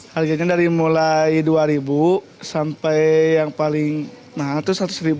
harganya dari mulai rp dua sampai yang paling mahal itu rp seratus